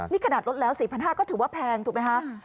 นี่ขนาดลดแล้ว๔๕๐๐ก็ถือว่าแพงถูกไหมคะ